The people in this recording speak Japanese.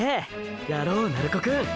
やろう鳴子くん！！